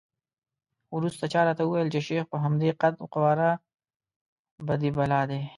وروسته چا راته وویل چې شیخ په همدې قد وقواره بدي بلا دی.